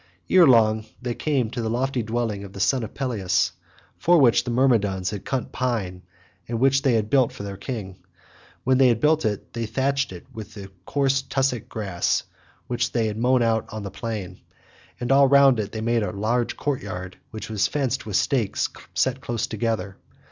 Ere long they came to the lofty dwelling of the son of Peleus for which the Myrmidons had cut pine and which they had built for their king; when they had built it they thatched it with coarse tussock grass which they had mown out on the plain, and all round it they made a large courtyard, which was fenced with stakes set close together.